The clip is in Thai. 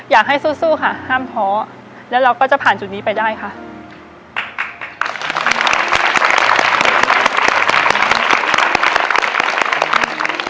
อยากให้สู้ค่ะห้ามท้อแล้วเราก็จะผ่านจุดนี้ไปได้ค่ะ